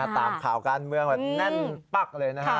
ตามข่าวการเมืองแบบแน่นปั๊กเลยนะฮะ